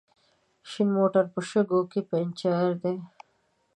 شين موټر په شګو کې پنچر دی